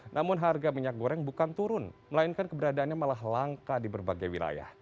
namun harga minyak goreng bukan turun melainkan keberadaannya malah langka di berbagai wilayah